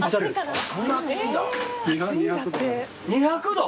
２００度！？